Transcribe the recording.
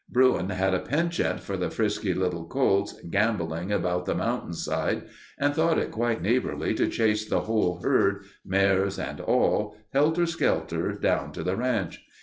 Bruin had a penchant for the frisky little colts gamboling about the mountain side and thought it quite neighborly to chase the whole herd, mares and all, helter skelter down to the ranch.